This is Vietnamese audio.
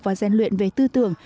và gian luyện về tư tưởng